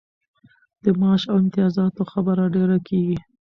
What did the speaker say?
د معاش او امتیازاتو خبره ډېره کیږي.